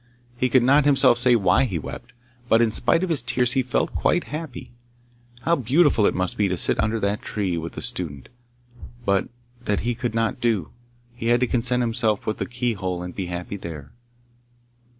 He could not himself say why he wept, but in spite of his tears he felt quite happy. How beautiful it must be to sit under that tree with the student, but that he could not do; he had to content himself with the key hole and be happy there!